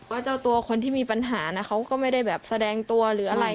เจ้าตัวคนที่มีปัญหานะเขาก็ไม่ได้แบบแสดงตัวหรืออะไร